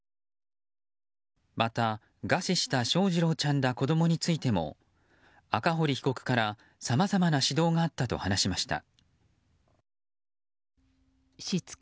また餓死した翔士郎ちゃんら子供についても赤堀被告から、さまざまな指導があったと話しました。